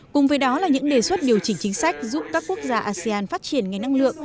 cùng với đó là những đề xuất điều chỉnh chính sách giúp các quốc gia asean phát triển ngay năng lượng